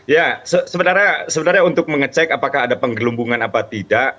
ya sebenarnya untuk mengecek apakah ada pengelubungan atau tidak